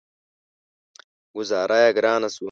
ګوذاره يې ګرانه شوه.